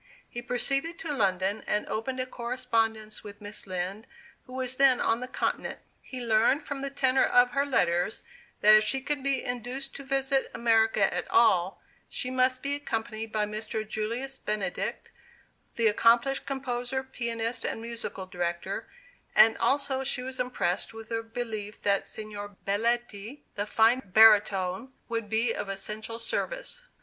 He proceeded to London, and opened a correspondence with Miss Lind, who was then on the Continent. He learned from the tenor of her letters, that if she could be induced to visit America at all, she must be accompanied by Mr. Julius Benedict, the accomplished composer, pianist, and musical director, and also she was impressed with the belief that Signor Belletti, the fine baritone, would be of essential service.